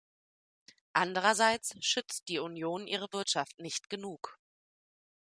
Andererseits schützt die Union ihre Wirtschaft nicht genug.